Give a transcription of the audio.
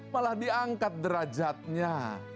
malah diangkat derajatnya